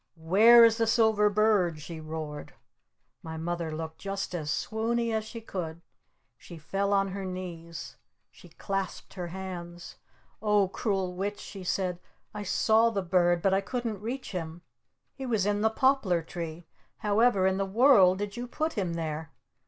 "Where is the Silver Bird?" she roared. My Mother looked just as swoone y as she could. She fell on her knees. She clasped her hands. "Oh, Cruel Witch," she said. "I saw the bird! But I couldn't reach him! He was in the Poplar Tree! However in the world did you put him there?